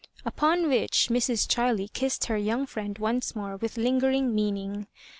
Upon which Mrs. Chiley kissed her young friend once more with lingering meaning.